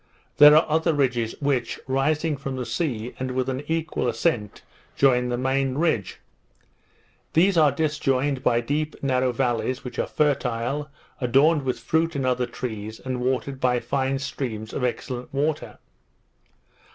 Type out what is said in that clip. There are other ridges, which, rising from the sea, and with an equal ascent, join the main ridge. These are disjoined by deep narrow vallies, which are fertile, adorned with fruit and other trees, and watered by fine streams of excellent water.